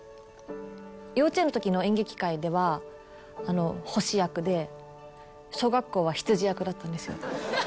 幼稚園の時の演劇会ではあの星役で小学校は羊役だったんですよ